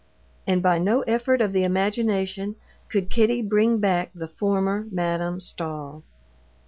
And by no effort of the imagination could Kitty bring back the former Madame Stahl.